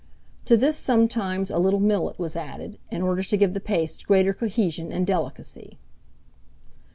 To this sometimes a little millet was added, in order to give the paste greater cohesion and delicacy.